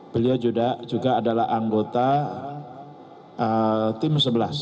beliau juga adalah anggota tim sebelas